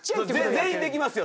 全員できますよ